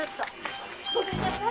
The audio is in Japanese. ごめんなさい。